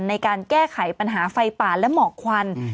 ในการแก้ไขปัญหาไฟป่าและหมอกควัน